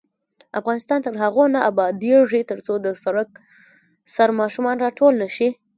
افغانستان تر هغو نه ابادیږي، ترڅو د سړک سر ماشومان راټول نشي.